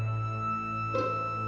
aku akan mencari ratu